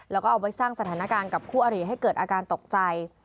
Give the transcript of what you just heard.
แล้วก็เอาไว้สร้างสถานการณ์กับคู่อริให้เกิดอาการตกใจ